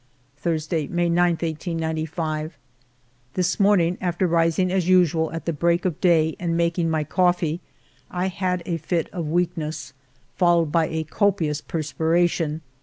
Thursday, May 9, 1895. This morning, after rising as usual at the break of day and making my coffee, I had a fit of weakness, followed by a copious perspiration.